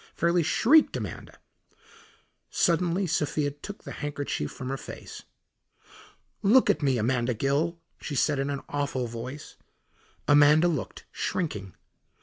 fairly shrieked Amanda. Suddenly Sophia took the handkerchief from her face. "Look at me, Amanda Gill," she said in an awful voice. Amanda looked, shrinking.